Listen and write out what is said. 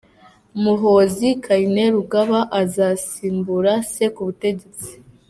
Muhoozi Kainerugaba, akazasimbura se ku butegetsi.